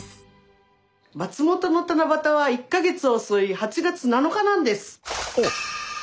松本の七夕は１か月遅い８月７日なんです！